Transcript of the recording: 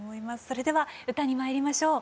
それでは歌にまいりましょう。